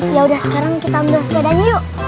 yaudah sekarang kita ambil sepedanya yuk